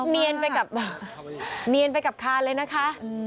นี่เนียนไปกับคาเลยนะคะ